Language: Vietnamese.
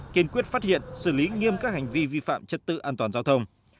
kiên quyết phát hiện xử lý nghiêm các hành vi vi phạm trật tự an toàn giao thông